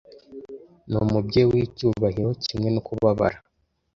numubyeyi wicyubahiro kimwe no kubabara